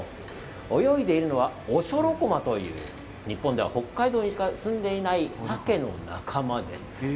泳いでいるのはオショロコマという日本では北海道だけにしか住んでいない、さけの仲間です。